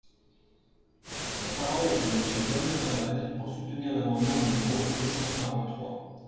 La parole est à Monsieur Damien Abad, pour soutenir l’amendement numéro deux cent quarante-trois.